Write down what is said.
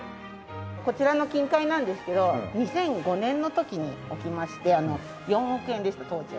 こちらの金塊なんですけど２００５年の時に置きまして４億円でした当時は。